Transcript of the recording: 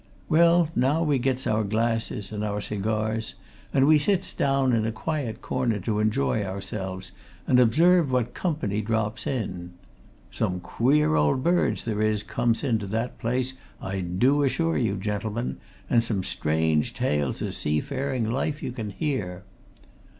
Well, now we gets our glasses, and our cigars, and we sits down in a quiet corner to enjoy ourselves and observe what company drops in. Some queer old birds there is comes in to that place, I do assure you, gentlemen, and some strange tales o' seafaring life you can hear.